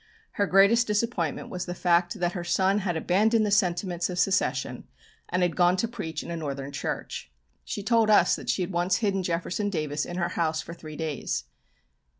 Her greatest disappointment was the fact that her son had abandoned the sentiments of Secession and had gone to preach in a Northern church. She told us that she had once hidden Jefferson Davis in her house for three days.